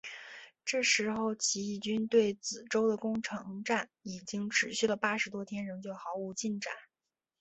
这时候起义军对梓州的攻城战已经持续了八十多天仍旧毫无进展。